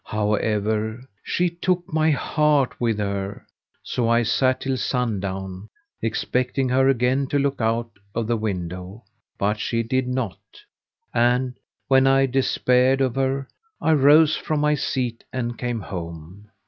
However, she took my heart with her, so I sat till sun down, expecting her again to look out of the window; but she did it not; and, when I despaired of her, I rose from my seat and came home.